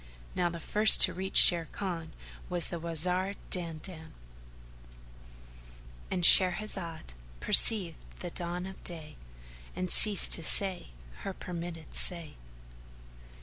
Now the first to reach Sharrkan was the Wazir Dandan,—And Shahrazad perceived the dawn of day and ceased to say her permitted say.